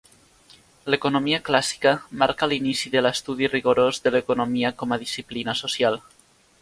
L'economia clàssica marca l'inici de l'estudi rigorós de l'economia com a disciplina social.